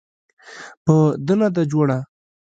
په ده نه ده جوړه.